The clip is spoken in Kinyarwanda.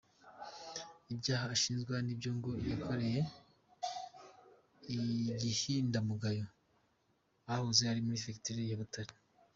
Ibyaha ashinjwa ni ibyo ngo yakoreye i Gihindamuyaga ahahoze ari muri Perefegitura ya Butare.